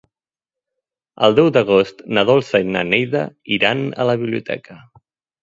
El deu d'agost na Dolça i na Neida iran a la biblioteca.